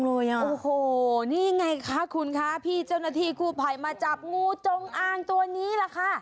โอ้โหนี่ไงคะคุณคะพี่เจ้าหน้าที่กู้ภัยมาจับงูจงอางตัวนี้แหละค่ะ